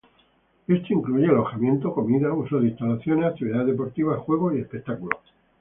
Esto incluye alojamiento, comida, uso de instalaciones, actividades deportivas, juegos y espectáculos.